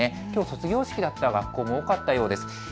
きょう卒業式だった学校も多かったようです。